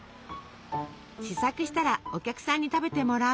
試作したらお客さんに食べてもらう。